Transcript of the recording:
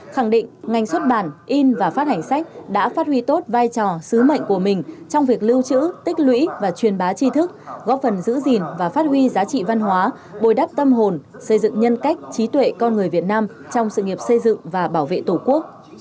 khẳng định ngành xuất bản in và phát hành sách đã phát huy tốt vai trò sứ mệnh của mình trong việc lưu trữ tích lũy và truyền bá chi thức góp phần giữ gìn và phát huy giá trị văn hóa bồi đắp tâm hồn xây dựng nhân cách trí tuệ con người việt nam trong sự nghiệp xây dựng và bảo vệ tổ quốc